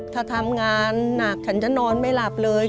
ถ้าทำงานหนักฉันจะนอนไม่หลับเลย